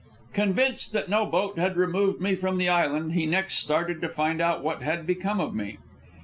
Convinced that no boat had removed me from the island, he next started to find out what had become of me.